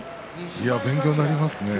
勉強になりますね。